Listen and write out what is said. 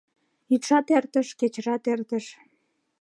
Йӱдшат эртыш, кечыжат эртыш